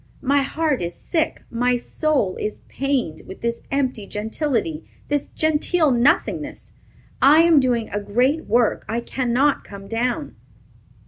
My heart is sick, my soul is pained, with this empty gentility, this genteel nothingness. I am doing a great work. I cannot come down."